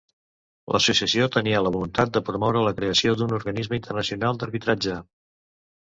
L'associació tenia la voluntat de promoure la creació d'un organisme internacional d'arbitratge.